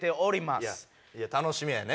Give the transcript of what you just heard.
いや楽しみやね。